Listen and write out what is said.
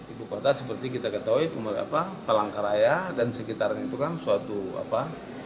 ibu kota seperti kita ketahui palangkaraya dan sekitarnya itu kan suatu apa